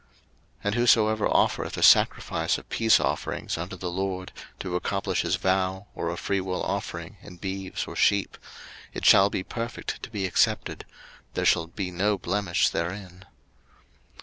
03:022:021 And whosoever offereth a sacrifice of peace offerings unto the LORD to accomplish his vow, or a freewill offering in beeves or sheep, it shall be perfect to be accepted; there shall be no blemish therein.